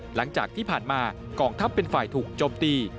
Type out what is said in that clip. หลังจากที่ผ่านมากองทัพเป็นฝ่ายถูกโจมตี